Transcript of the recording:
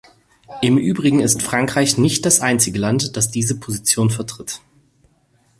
Im übrigen ist Frankreich nicht das einzige Land, das diese Position vertritt.